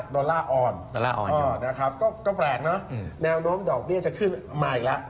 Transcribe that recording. ดอลลาร์อออนนะครับก็แปลกนะแนวน้อมดอกเบี้ยจะขึ้นมาอีกแล้ว